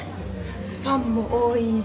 ファンも多いし。